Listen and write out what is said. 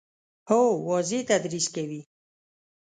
هو، واضح تدریس کوي